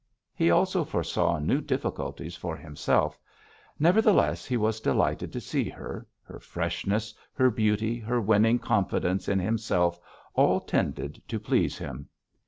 He also foresaw new difficulties for himself; nevertheless he was delighted to see her, her freshness, her beauty, her winning confidence in himself all tended to please him.